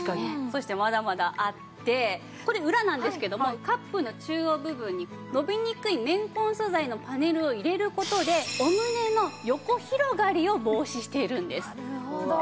そしてまだまだあってこれ裏なんですけどもカップの中央部分に伸びにくい綿混素材のパネルを入れる事でお胸の横広がりを防止しているんです。